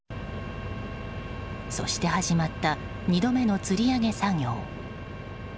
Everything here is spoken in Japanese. そして始まった２度目のつり上げ作業。